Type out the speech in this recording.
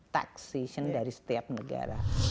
taxation dari setiap negara